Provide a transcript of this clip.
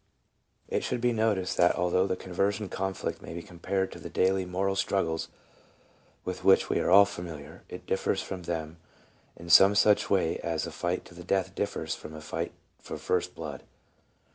It should be noticed that although the conversion conflict may be compared to the daily moral struggles with which we are all familiar, it differs from them in some such way as a fight to the death differs from a fight for first blood.